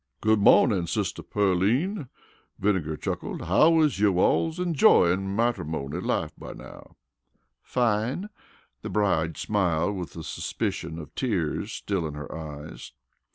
"Good mawnin', Sister Pearline!" Vinegar chuckled. "How is yo' alls enjoyin' mattermony life by now?" "Fine," the bride smiled, with a suspicion of tears still in her eyes.